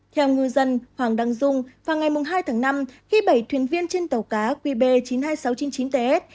theo ngư dân hoàng đăng dung vào ngày hai tháng năm khi bảy thuyền viên trên tàu cá qb chín mươi hai nghìn sáu trăm chín mươi chín ts